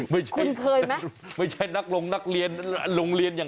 เพื่อธอมที่นี้